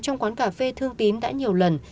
trong quán cà phê thương tín đã nhiều lần